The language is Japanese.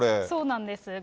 そうなんです。